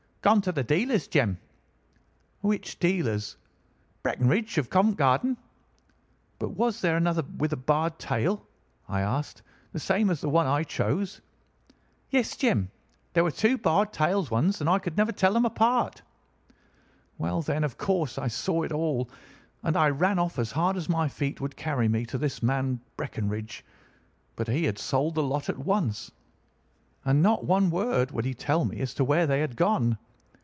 "'Gone to the dealer's, Jem.' "'Which dealer's?' "'Breckinridge, of Covent Garden.' "'But was there another with a barred tail?' I asked, 'the same as the one I chose?' "'Yes, Jem; there were two barred tailed ones, and I could never tell them apart.' "Well, then, of course I saw it all, and I ran off as hard as my feet would carry me to this man Breckinridge; but he had sold the lot at once, and not one word would he tell me as to where they had gone.